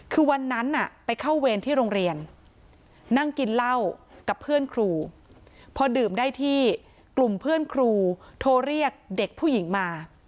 คือวันนั้นไปเข้าเวรที่โรงเรียนนั่งกินเหล้ากับเพื่อนครูพอดื่มได้ที่กลุ่มเพื่อนครูโทรเรียกเด็กผู้หญิงมา